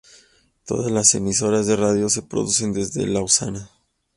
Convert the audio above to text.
Todas las emisoras de radio se producen desde Lausana.